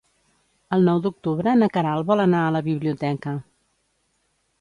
El nou d'octubre na Queralt vol anar a la biblioteca.